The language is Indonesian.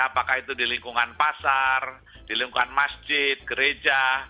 apakah itu di lingkungan pasar di lingkungan masjid gereja